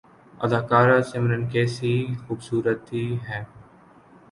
اداکارہ سمرن کیسی خوبصورتی ہے